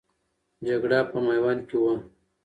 جګړه په میوند کې وه.